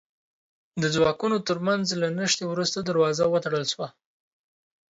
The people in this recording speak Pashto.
د ځواکونو تر منځ له نښتې وروسته دروازه وتړل شوه.